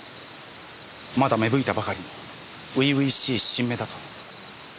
まだ芽吹いたばかりの初々しい新芽だと。